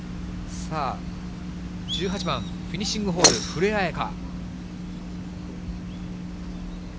さあ、１８番、フィニッシングホール、古江彩佳。